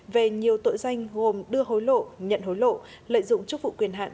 về nhiều tội danh gồm đưa hồi lộ nhận hồi lộ lợi dụng chức vụ quyền hạn